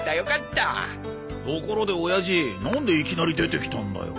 ところで親父なんでいきなり出てきたんだよ。